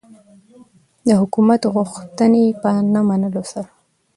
د حکومت غوښتنې په نه منلو سره.